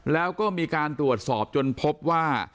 แล้วก็มีการตรวจสอบจนพบว่า